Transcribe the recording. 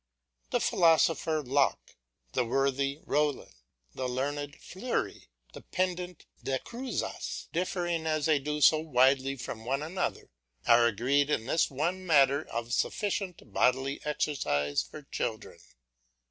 The philosopher Locke, the worthy Rollin, the learned Fleury, the pedant De Crouzas, differing as they do so widely from one another, are agreed in this one matter of sufficient bodily exercise for children.